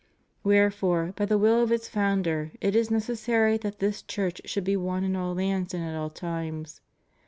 Where fore, by the wiU of its Founder, it is necessary that this Church should be one in all lands and at all times.